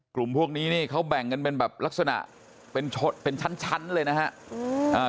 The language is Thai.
กลุ่มพวกนี้นี่เขาแบ่งกันเป็นแบบลักษณะเป็นชั้นเลยนะครับ